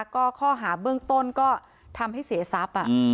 ก็ข้อหาเบื้องต้นก็ทำให้เสียทรัพย์